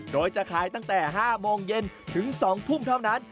โดยจะขายตั้งแต่๕โมงเย็นถึง๒ทุ่มเท่านั้น